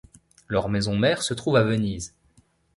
Leur maison-mère se trouve à Venise.